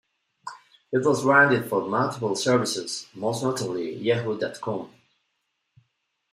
It was branded for multiple services, most notably Yahoo dot com.